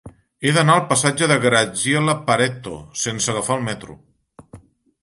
He d'anar al passatge de Graziella Pareto sense agafar el metro.